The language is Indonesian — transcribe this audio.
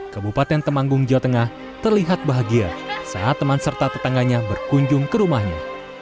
kabupaten temanggung jawa tengah terlihat bahagia saat teman serta tetangganya berkunjung ke rumahnya